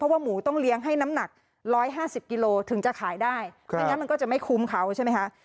ว่าหมูต้องเลี้ยงให้น้ำหนัก๑๕๐กิโลถึงจะขายได้ไม่งั้นมันก็จะไม่คุ้มเขาใช่ไหมคะ